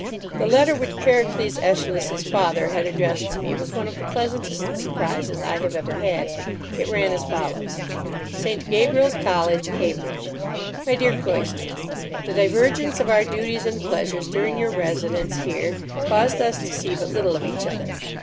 The letter which Pericles Aeschylus's father had addressed to me was one of the pleasantest surprises I have ever had. It ran as follows: St. Gabriel's College, Cambridge. MY DEAR CLOYSTER,—The divergence of our duties and pleasures during your residence here caused us to see but little of each other.